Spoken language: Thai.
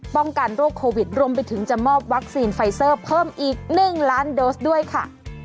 ป้องกันโรคโควิดรวมไปถึงจะมอบวัคซีนไฟเซอร์เพิ่มอีก๑ล้านโดสด้วยค่ะ